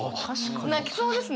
泣きそうですね！